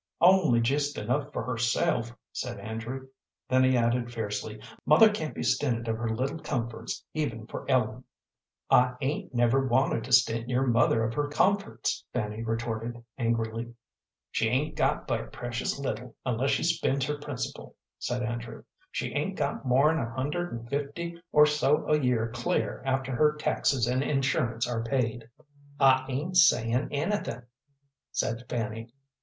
"Only just enough for herself," said Andrew. Then he added, fiercely, "Mother can't be stinted of her little comforts even for Ellen." "I 'ain't never wanted to stint your mother of her comforts," Fanny retorted, angrily. "She 'ain't got but a precious little, unless she spends her principal," said Andrew. "She 'ain't got more'n a hundred and fifty or so a year clear after her taxes and insurance are paid." "I ain't saying anything," said Fanny.